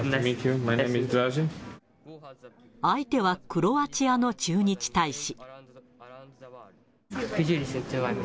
相手はクロアチアの駐日大使。